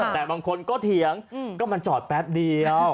แต่บางคนก็เถียงก็มันจอดแป๊บเดียว